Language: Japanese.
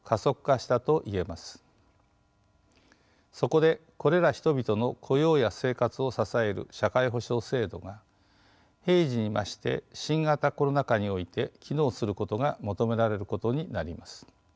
そこでこれら人々の雇用や生活を支える社会保障制度が平時に増して新型コロナ下において機能することが求められることになります。